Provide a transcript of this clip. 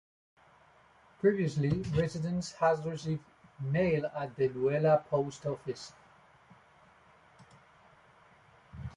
Previously, residents had received mail at the Luella post office.